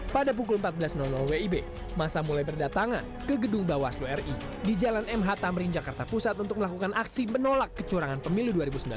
pada pukul empat belas wib masa mulai berdatangan ke gedung bawaslu ri di jalan mh tamrin jakarta pusat untuk melakukan aksi menolak kecurangan pemilu dua ribu sembilan belas